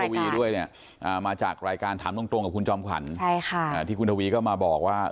อย่างคุณทวีด้วยเนี่ยมาจากรายการถามตรงกับคุณจอมขวัญที่คุณทวีก็มาบอกว่า